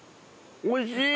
おいしい！